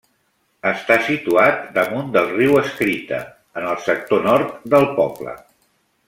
Està situat damunt del Riu Escrita, en el sector nord del poble.